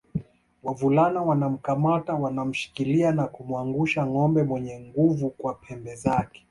Wavulana wanakamata wanamshikilia na kumwangusha ngombe mwenye nguvu kwa pembe zake